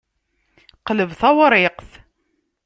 Qleb tawṛiqt.